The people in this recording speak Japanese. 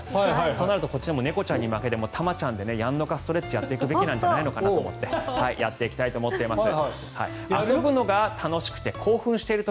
そうなるとこちらも猫ちゃんに負けず、玉ちゃんでやんのかストレッチをやっていくべきなんじゃないかと思ってやっていきたいと思います。